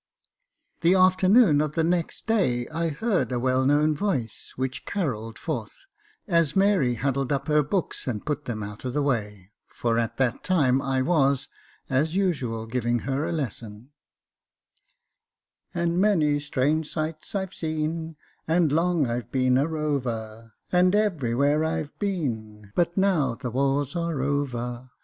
The afternoon of the next day I heard a well known voice, which carolled forth, as Mary huddled up her books, and put them out of the way , for at that time I was, as usual, giving her a lesson : "And many strange sights I've seen, And long I've been a rover, And every where I've been, But now the wars are over.